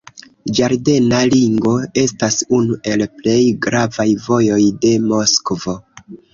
Ĝardena ringo estas unu el plej gravaj vojoj de Moskvo.